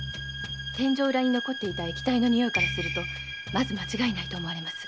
⁉天井裏に残った液体の匂いからまず間違いないと思われます。